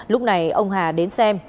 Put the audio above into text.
lúc này ông hà đến xem